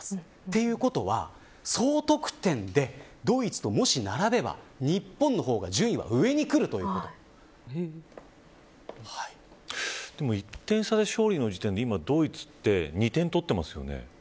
ということは、総得点でドイツともし並べば日本の方がでも１点差で勝利の時点で今ドイツって２点取ってますよね。